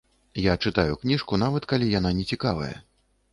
Я чытаю кніжку нават калі яна нецікавая.